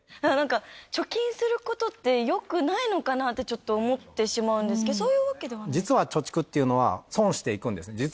なんか、貯金することって、よくないのかなって、ちょっと思ってしまうんですけど、そういう実は貯蓄っていうのは、損していくんですね。